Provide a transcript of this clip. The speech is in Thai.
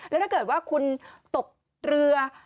แล้วถ้าเกิดว่าคุณตกเรือ